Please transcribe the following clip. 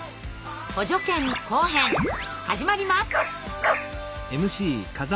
補助犬後編始まります。